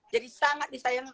jadi sangat disayangkan